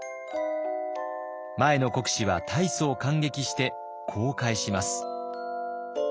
前の国司は大層感激してこう返します。